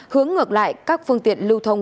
hướng ngược lại các phương tiện lưu thông